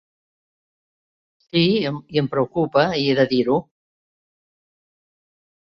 Sí, i em preocupa, i he de dir-ho!